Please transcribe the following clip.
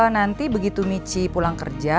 nanti begitu michi pulang kerja